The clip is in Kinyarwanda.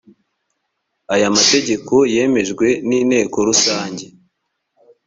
aya mategeko yemejwe n’inteko rusange